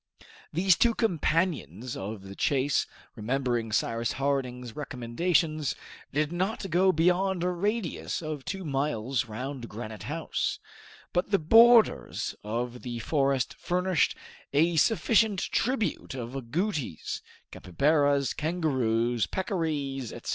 These two companions of the chase, remembering Cyrus Harding's recommendations, did not go beyond a radius of two miles round Granite House; but the borders of the forest furnished a sufficient tribute of agoutis, capybaras, kangaroos, peccaries, etc.